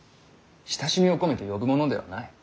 親しみを込めて呼ぶものではない。